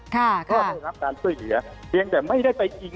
ก็ได้รับการช่วยเหลือเพียงแต่ไม่ได้ไปจริง